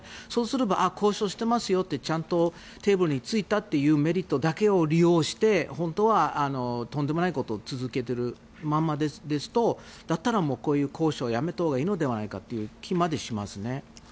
そうすれば交渉してますよってちゃんとテーブルに着いたというメリットだけを利用して本当はとんでもないことを続けているままですとだったらこういう交渉をやめたほうがいいのではという気までします。